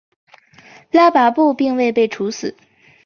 拉跋布并未被处死。